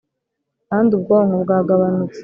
kandi ubwonko bwagabanutse